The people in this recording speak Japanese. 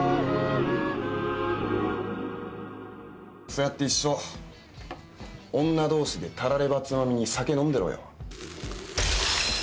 そうやって一生女同士でタラレバつまみに酒飲んでろよ。